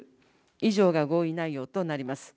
以上が合意内容となります。